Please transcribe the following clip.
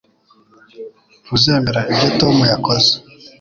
Ntuzemera ibyo Tom yakoze